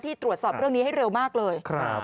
ตรวจสอบเรื่องนี้ให้เร็วมากเลย